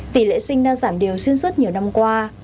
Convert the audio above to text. tỷ lệ sinh đang giảm điều xuyên suốt nhiều năm qua